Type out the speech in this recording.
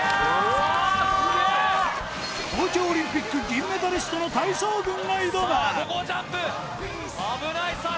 わあすげえ東京オリンピック銀メダリストの体操軍が挑むさあ